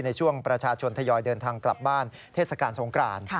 ในช่วงประชาชนทยอยเดินทางกลับบ้านเทศกาลสงคราน